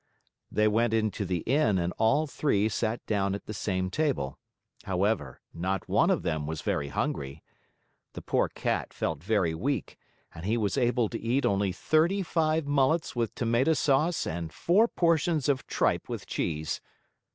They went into the Inn and all three sat down at the same table. However, not one of them was very hungry. The poor Cat felt very weak, and he was able to eat only thirty five mullets with tomato sauce and four portions of tripe with cheese.